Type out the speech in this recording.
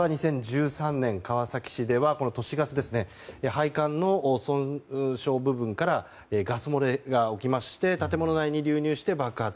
例えば２０１３年、川崎市では都市ガスの配管の損傷部分からガス漏れが起きまして建物内に流入して爆発。